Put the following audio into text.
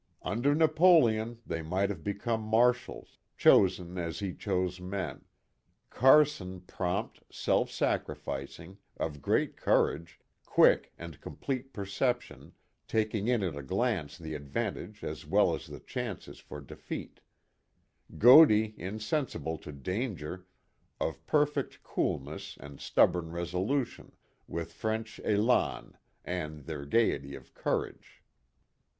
" Under Napoleon they might have become marshals, chosen as he chose men ; Carson prompt, self sacrificing, of great courage, quick and complete perception, taking in at a glance the advantages as well as the chances for defeat ; Godey insensible to danger, of perfect coolness and stubborn resolution, with French Man and their gayety of courage."